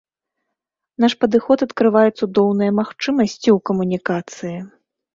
Наш падыход адкрывае цудоўныя магчымасці ў камунікацыі.